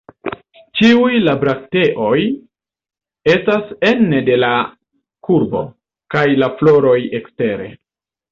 Ĉiuj la brakteoj estas ene de la kurbo, kaj la floroj ekstere.